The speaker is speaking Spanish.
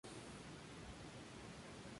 Cardenal y arzobispo.